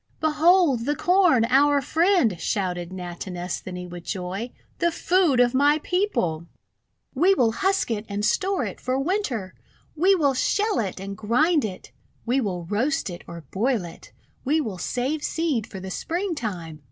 "Behold the Corn — our friend!' shouted Natinesthani with joy. "The food of my people! 370 THE WONDER GARDEN We will husk it and store it for WTinter! We will shell it and grind it! We will roast it or boil it! We will save seed for the Springtime!